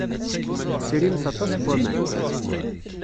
Tesrimt aṭas n waman.